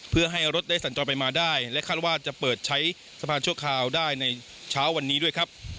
เพื่อให้รถได้สัญจรไปมาได้และคาดว่าจะเปิดใช้สะพานชั่วคราวได้ในเช้าวันนี้ด้วยครับ